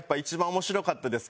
面白かったです。